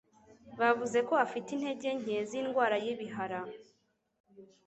Bavuze ko afite intege nke zindwara y'ibihara.